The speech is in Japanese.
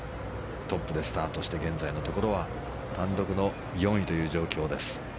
トップでスタートして現在のところ単独の４位という状況です。